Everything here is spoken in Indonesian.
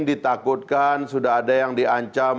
ditakutkan sudah ada yang diancam